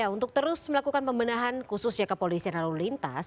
untuk terus melakukan pembenahan khusus jangka polisi lalu lintas